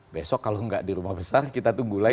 besok kalau nggak di rumah besar kita tunggu lagi